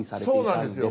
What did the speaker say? そうなんですよ！